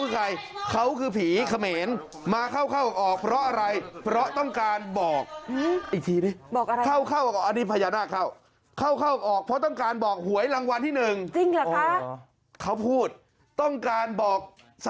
เห็นที่เราอยากอยากได้อะไรกับรัฐรานของปล่อย